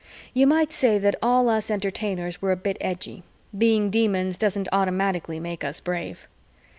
You might say that all us Entertainers were a bit edgy; being Demons doesn't automatically make us brave.